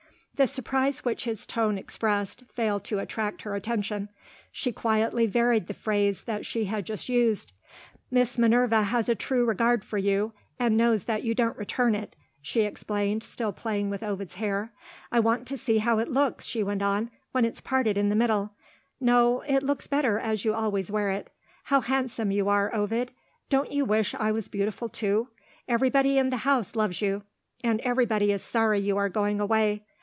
The surprise which his tone expressed, failed to attract her attention. She quietly varied the phrase that she had just used. "Miss Minerva has a true regard for you and knows that you don't return it," she explained, still playing with Ovid's hair. "I want to see how it looks," she went on, "when it's parted in the middle. No! it looks better as you always wear it. How handsome you are, Ovid! Don't you wish I was beautiful, too? Everybody in the house loves you; and everybody is sorry you are going away.